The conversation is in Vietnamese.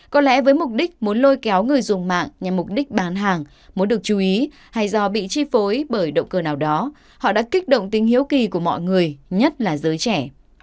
có lẽ với mục đích muốn lôi kéo người dùng mạng nhằm mục đích bán hàng muốn được chú ý hay do bị chi phối bởi động cơ nào đó họ đã kích động tính hiếu kỳ của mọi người nhất là giới trẻ